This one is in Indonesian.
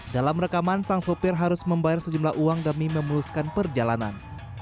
dalam rekaman sang sopir harus membayar sejumlah uang demi memuluskan perjalanan